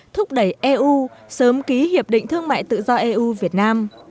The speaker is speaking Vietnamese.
thúc đẩy eu sớm ký hiệp định thương mại tự do eu việt nam